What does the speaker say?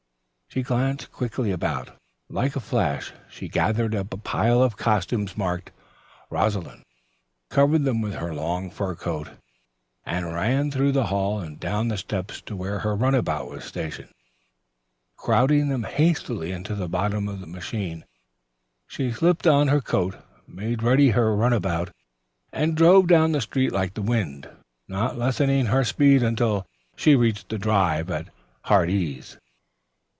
She glanced quickly about. Like a flash she gathered up a pile of costumes marked "Rosalind," covered them with her long fur coat and ran through the hall and down the steps to where her runabout was stationed. Crowding them hastily into the bottom of the machine, she slipped on her coat, made ready her runabout and drove down the street like the wind, not lessening her speed until she reached the drive at "Heartsease."